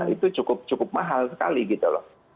itu cukup mahal sekali gitu loh